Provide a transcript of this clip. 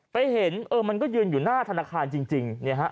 ไปเห็นเออมันก็ยืนอยู่หน้าธนาคารจริงจริงเนี้ยฮะ